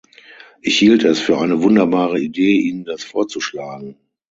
Ich hielt es für eine wunderbare Idee, Ihnen das vorzuschlagen.